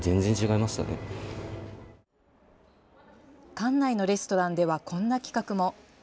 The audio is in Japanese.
館内のレストランではこんな企画も。